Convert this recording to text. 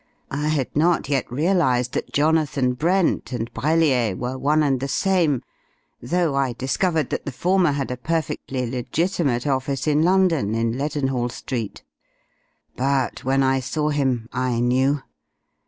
I had not yet realized that 'Jonathan Brent' and Brellier were one and the same, though I discovered that the former had a perfectly legitimate office in London in Leadenhall Street. But when I saw him I knew.